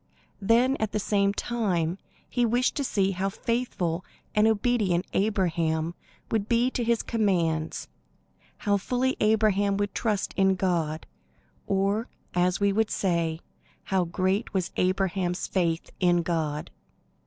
Then at the same time he wished to see how faithful and obedient Abraham would be to his commands; how fully Abraham would trust in God, or, as we would say, how great was Abraham's faith in God.